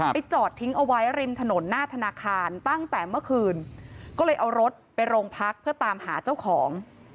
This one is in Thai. จอดทิ้งเอาไว้ริมถนนหน้าธนาคารตั้งแต่เมื่อคืนก็เลยเอารถไปโรงพักเพื่อตามหาเจ้าของ